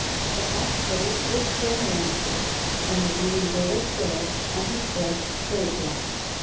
The hoptoad was floor manager; the green burdock badge on his breast showed that.